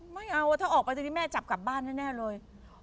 ไม่เอาหรอกถ้าออกไปแม่จับกลับบ้านแน่เลย